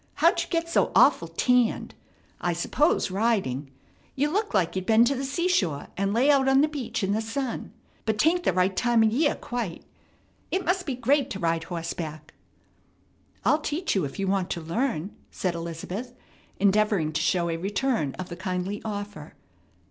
How'd you get so awful tanned? I s'pose riding. You look like you'd been to the seashore, and lay out on the beach in the sun. But 'tain't the right time o' year quite. It must be great to ride horseback!" "I'll teach you how if you want to learn," said Elizabeth, endeavoring to show a return of the kindly offer.